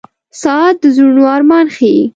• ساعت د زړونو ارمان ښيي.